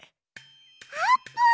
あーぷん！